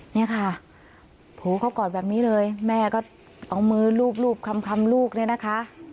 เนี่ยค่ะโผล่เข้ากอดแบบนี้เลยแม่ก็เอามือลูบคำลูกเนี่ยนะคะ